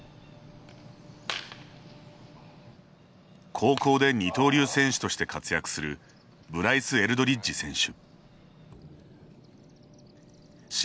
高校で二刀流として活躍するブライス・エルドリッジ選手。